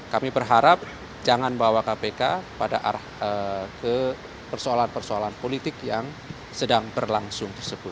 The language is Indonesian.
kami berharap jangan bawa kpk pada arah ke persoalan persoalan politik yang sedang berlangsung tersebut